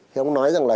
thì ông nói rằng là